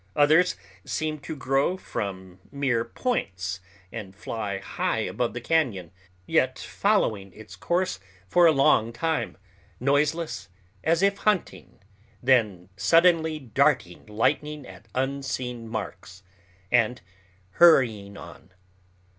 Others seem to grow from mere points, and fly high above the cañon, yet following its course for a long time, noiseless, as if hunting, then suddenly darting lightning at unseen marks, and hurrying on.